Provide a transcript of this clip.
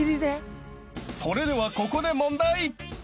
［それではここで問題］